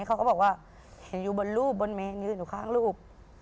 เขาก็บอกว่าเห็นอยู่บนรูปบนเมนยืนอยู่ข้างรูป